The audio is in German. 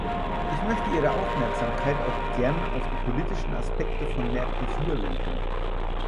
Ich möchte Ihre Aufmerksamkeit auch gern auf die politischen Aspekte von Mercosur lenken.